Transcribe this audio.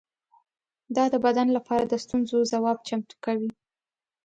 دا د بدن لپاره د ستونزو ځواب چمتو کوي.